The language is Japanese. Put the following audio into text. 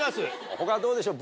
他どうでしょう？